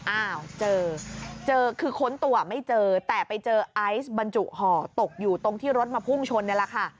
อ้าวเจอเจอคือค้นตัวไม่เจอแต่ไปเจอไอซ์บรรจุห่อตกอยู่ตรงที่รถมาพุ่งชนนี่แหละค่ะ